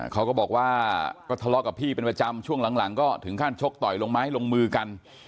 เขาก็บอกว่าก็ทะเลาะกับพี่เป็นประจำช่วงหลังก็ถึงขั้นชกต่อยลงไม้ลงมือกัน